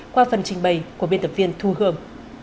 qua phần trình bày của biên tập viên thu hương